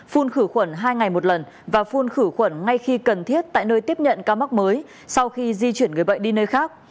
phun khử khuẩn hai ngày một lần và phun khử khuẩn ngay khi cần thiết tại nơi tiếp nhận ca mắc mới sau khi di chuyển người bệnh đi nơi khác